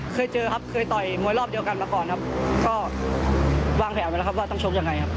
เคยเจอครับเคยต่อยมวยรอบเดียวกันมาก่อนครับก็วางแผนไว้แล้วครับว่าต้องชกยังไงครับ